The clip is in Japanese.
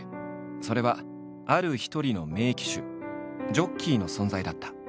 それはある一人の名騎手ジョッキーの存在だった。